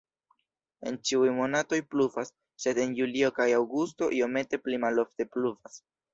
En ĉiuj monatoj pluvas, sed en julio kaj aŭgusto iomete pli malofte pluvas.